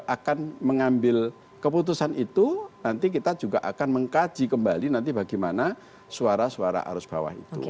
akan mengambil keputusan itu nanti kita juga akan mengkaji kembali nanti bagaimana suara suara arus bawah itu